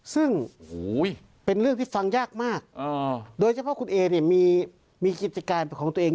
ซึ่งเป็นเรื่องที่ฟังยากมากโดยเฉพาะคุณเอเนี่ยมีกิจการเป็นของตัวเอง